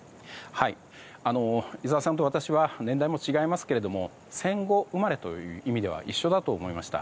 井澤さんと私は年代も違いますけれども戦後生まれという意味では一緒だと思いました。